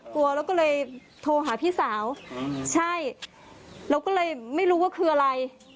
เราก็เลยโทรหาพี่สาวใช่เราก็เลยไม่รู้ว่าคืออะไร